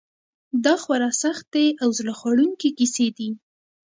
دا خورا سختې او زړه خوړونکې کیسې دي.